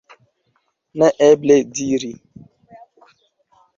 Neeble diri.